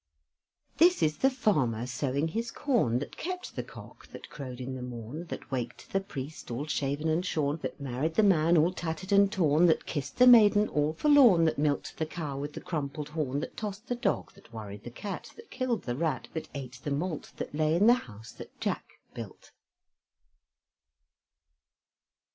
This is the farmer sowing his corn, That kept the cock that crowed in the morn, That waked the priest all shaven and shorn, That married the man all tattered and torn, That kissed the maiden all forlorn, That milked the cow with the crumpled horn, That tossed the dog, That worried the cat, That killed the rat, That ate the malt That lay in the house that Jack built.